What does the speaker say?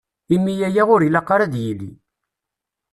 Imi aya ur ilaq ara ad d-yili.